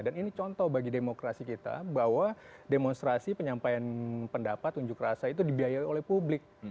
dan ini contoh bagi demokrasi kita bahwa demonstrasi penyampaian pendapat tunjuk rasa itu dibiayai oleh publik